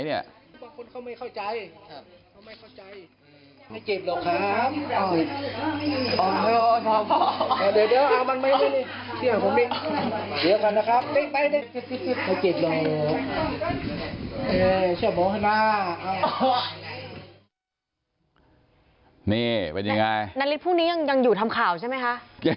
นี่เป็นยังไงนาริสพรุ่งนี้ยังอยู่ทำข่าวใช่ไหมคะ